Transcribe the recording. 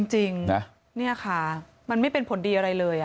จริงนี่ค่ะมันไม่เป็นผลดีอะไรเลย